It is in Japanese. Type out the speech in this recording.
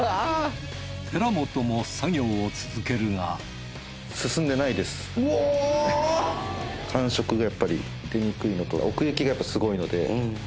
寺本も作業を続けるが感触がやっぱり出にくいのと奥行きがやっぱすごいので。